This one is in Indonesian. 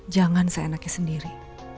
jangan seenaknya sendiri